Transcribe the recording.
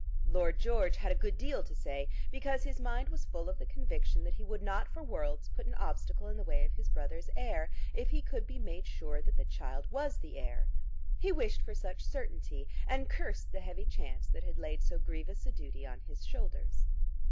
Lord George had a good deal to say, because his mind was full of the conviction that he would not for worlds put an obstacle in the way of his brother's heir, if he could be made sure that the child was the heir. He wished for such certainty, and cursed the heavy chance that had laid so grievous a duty on his shoulders.